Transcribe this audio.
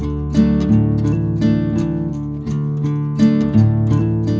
itu kami permisi dulu ya pak